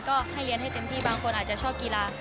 ก็ให้เรียนให้เต็มที่บางคนอาจจะชอบกีฬา